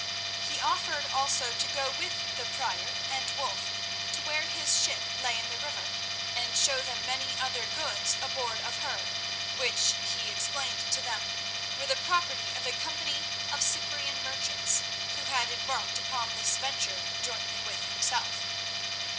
He offered also to go with the Prior and Wulf to where his ship lay in the river, and show them many other goods aboard of her, which, he explained to them, were the property of a company of Cyprian merchants who had embarked upon this venture jointly with himself.